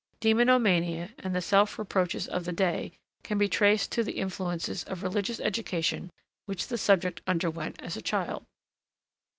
Demonomania and the self reproaches of the day can be traced to the influences of religious education which the subject underwent as a child.